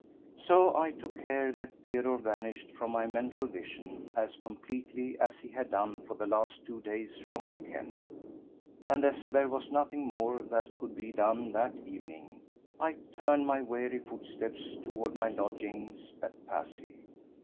So I took care that Theodore vanished from my mental vision as completely as he had done for the last two days from my ken, and as there was nothing more that could be done that evening, I turned my weary footsteps toward my lodgings at Passy.